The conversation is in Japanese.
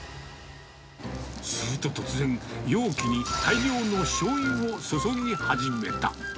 すると突然、容器に大量のしょうゆを注ぎ始めた。